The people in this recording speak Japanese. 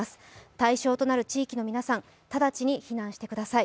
対象となる地域の皆さん直ちに避難してください。